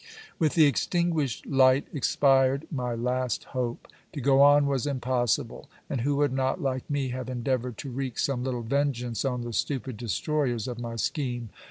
With the extinguished light expired my last hope. To go on was impossible; and who would not, like me, have endeavoured to wreak some little vengeance on the stupid destroyers of my scheme.